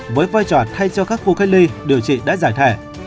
với vai trò thay cho các khu cách ly điều trị đã giải thẻ